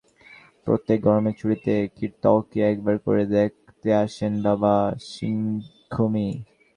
প্রত্যেক গরমের ছুটিতে কীতংকে একবার করে দেখতে আসেন বাবা সিয়ং খুমী।